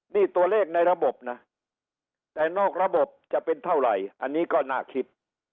นี่ตัวเลขในระบบนะแต่นอกระบบจะเป็นเท่าไหร่อันนี้ก็น่าคิด